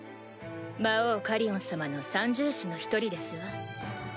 魔王カリオン様の三獣士の一人ですわ。